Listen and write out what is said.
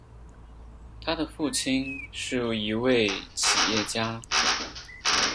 他的父亲是一位企业家。